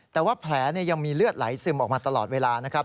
แต่ว่าแผลยังมีเลือดไหลซึมออกมาตลอดเวลานะครับ